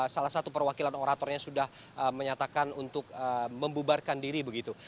salah satu perwakilan oratornya sudah menyatakan untuk membubarkan diri begitu